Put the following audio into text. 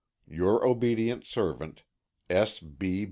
Your obedient servant, S. B.